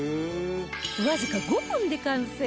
わずか５分で完成！